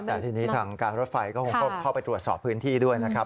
แต่ทีนี้ทางการรถไฟก็คงต้องเข้าไปตรวจสอบพื้นที่ด้วยนะครับ